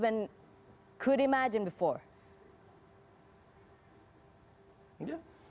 bisa bayangkan sebelumnya